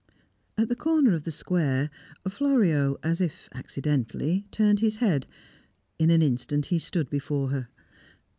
At the corner of the square, Florio, as if accidentally, turned his head; in an instant, he stood before her.